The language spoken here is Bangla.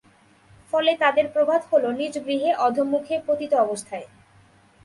ফলে তাদের প্রভাত হল নিজ গৃহে অধঃমুখে পতিত অবস্থায়।